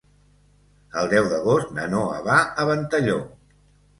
El deu d'agost na Noa va a Ventalló.